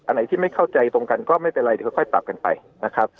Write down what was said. อะไรที่ไม่เข้าใจตรงกันก็ไม่เป็นไรเดี๋ยวค่อยปรับกันไปนะครับ